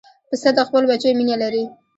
پسه د خپلو بچیو مینه لري.